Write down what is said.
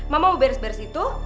mama mau beres beres itu